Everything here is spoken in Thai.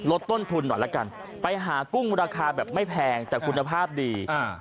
ลดต้นทุนหน่อยละกันไปหากุ้งราคาแบบไม่แพงแต่คุณภาพดีอ่า